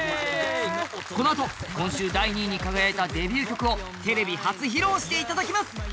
このあと今週第２位に輝いたデビュー曲をテレビ初披露していただきます。